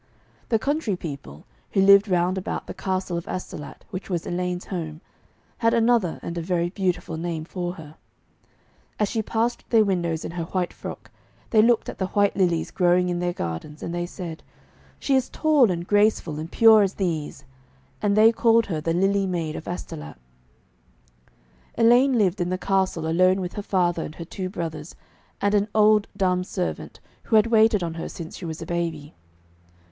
The country people, who lived round about the castle of Astolat, which was Elaine's home, had another and a very beautiful name for her. As she passed their windows in her white frock, they looked at the white lilies growing in their gardens, and they said, 'She is tall and graceful and pure as these,' and they called her the 'Lily Maid of Astolat.' Elaine lived in the castle alone with her father and her two brothers, and an old dumb servant who had waited on her since she was a baby.